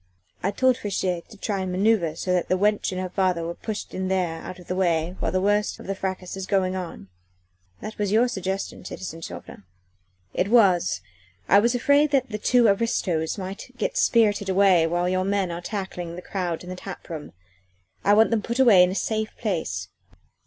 I told Friche to try and manoeuvre so that the wench and her father are pushed in there out of the way while the worst of the fracas is going on. That was your suggestion, citizen Chauvelin." "It was. I was afraid the two aristos might get spirited away while your men were tackling the crowd in the tap room. I wanted them put away in a safe place."